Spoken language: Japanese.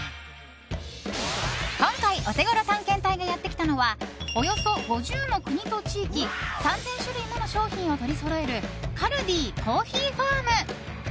今回、オテゴロ探検隊がやってきたのはおよそ５０の国と地域３０００種類もの商品をも取りそろえるカルディコーヒーファーム。